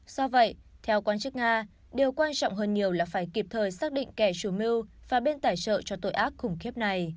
do vậy theo quan chức nga điều quan trọng hơn nhiều là phải kịp thời xác định kẻ chủ mưu và bên tài trợ cho tội ác khủng khiếp này